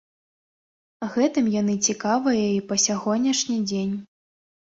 Гэтым яны цікавыя і па сягонняшні дзень.